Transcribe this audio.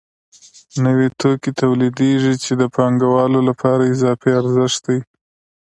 نوي توکي تولیدېږي چې د پانګوالو لپاره اضافي ارزښت دی